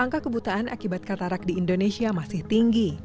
angka kebutaan akibat katarak di indonesia masih tinggi